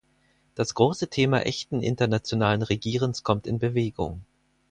Das große Thema echten internationalen Regierens kommt in Bewegung.